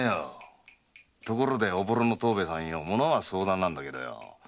ところでおぼろの藤兵衛さんよものは相談なんだけどよ